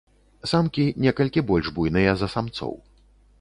Самкі некалькі больш буйныя за самцоў.